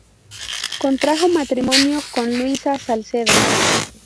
Contrajo matrimonio con Luisa Salcedo.